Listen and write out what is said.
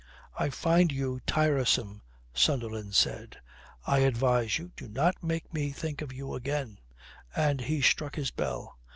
"I find you tiresome," Sunderland said. "I advise you, do not make me think of you again," and he struck his bell.